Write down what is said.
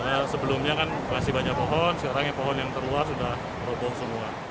karena sebelumnya kan masih banyak pohon sekarang ya pohon yang terluas udah roboh semua